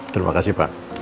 terima kasih pak